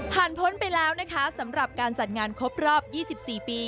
พ้นไปแล้วนะคะสำหรับการจัดงานครบรอบ๒๔ปี